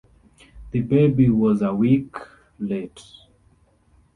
The baby was a week late.